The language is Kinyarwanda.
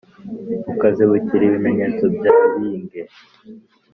Ukazibukira ibinyeto bya binge